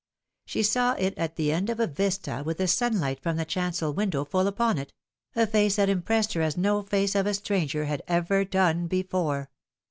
She saw it at the end of a vista, with the sunlight from the chancel window full upon it a face that impressed her as no face of a stranger had ever done before.